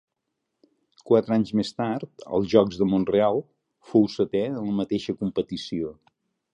Quatre anys més tard, als Jocs de Mont-real, fou setè en la mateixa competició.